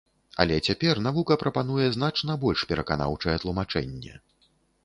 Але цяпер навука прапануе значна больш пераканаўчае тлумачэнне.